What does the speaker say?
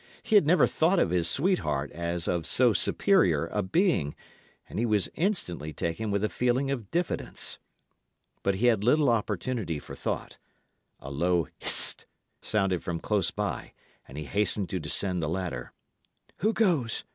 He had never thought of his sweetheart as of so superior a being, and he was instantly taken with a feeling of diffidence. But he had little opportunity for thought. A low "Hist!" sounded from close by, and he hastened to descend the ladder. "Who goes?"